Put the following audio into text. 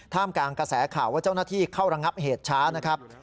กลางกระแสข่าวว่าเจ้าหน้าที่เข้าระงับเหตุช้านะครับ